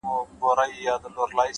وخت د ژوند د ارزښت اندازه ده؛